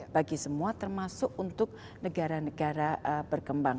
bagi semua termasuk untuk negara negara berkembang